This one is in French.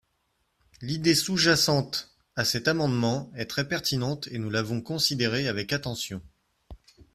L’idée sous-jacente à cet amendement est très pertinente et nous l’avons considérée avec attention.